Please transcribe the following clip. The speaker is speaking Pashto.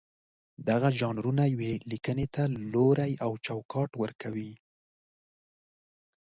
دغه ژانرونه یوې لیکنې ته لوری او چوکاټ ورکوي.